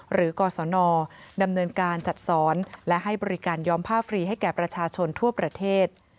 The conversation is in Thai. กศนดำเนินการจัดสอนและให้บริการย้อมผ้าฟรีให้แก่ประชาชนทั่วประเทศ